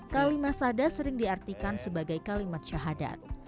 kalimah sada sering diartikan sebagai kalimat syahadat